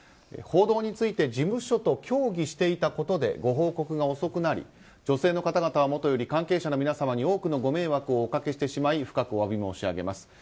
報道について事務所と協議していたことでご報告が遅くなり女性の方々はもとより関係者の皆様に多くのご迷惑をおかけしてしまい深くお詫び申し上げます。